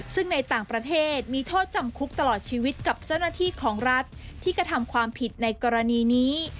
ซึ่งในต่างประเทศมีโทษจำคุกตลอดชีวิตกับเจ้าหน้าที่ของรัฐที่กระทำความผิดในกรณีนี้